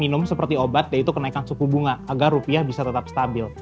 minum seperti obat yaitu kenaikan suku bunga agar rupiah bisa tetap stabil